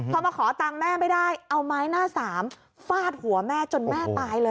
พอมาขอตังค์แม่ไม่ได้เอาไม้หน้าสามฟาดหัวแม่จนแม่ตายเลย